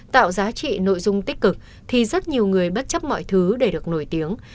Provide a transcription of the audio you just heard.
tạo giá trị nội dung tích cực thì rất nhiều người bất chấp mọi thứ để được nổi tiếng